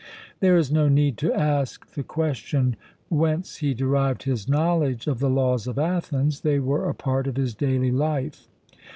There is no need to ask the question, whence he derived his knowledge of the Laws of Athens: they were a part of his daily life.